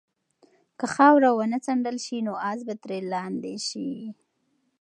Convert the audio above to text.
که خاوره ونه څنډل شي نو آس به ترې لاندې شي.